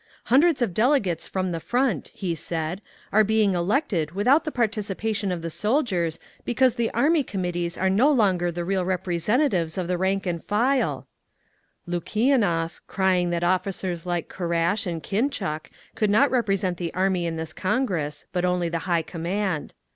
"Hundreds of delegates from the Front," he said, "are being elected without the participation of the soldiers because the Army Committees are no longer the real representatives of the rank and file…." Lukianov, crying that officers like Kharash and Khintchuk could not represent the Army in this congress,—but only the high command.